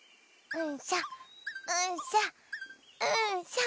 うんしょ！